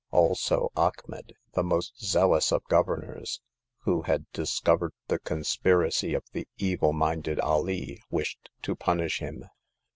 Also Achmet, the most zealous of governors, who had discovered the conspiracy of the evil minded Alee, wished to punish him.